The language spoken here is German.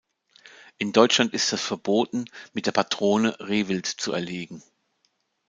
In Deutschland ist es verboten, mit der Patrone Rehwild zu erlegen.